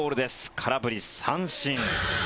空振り三振。